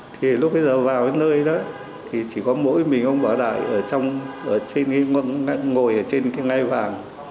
thì lúc bây giờ vào nơi đó thì chỉ có mỗi mình ông bảo đại ở trong ngồi ở trên cái ngay vàng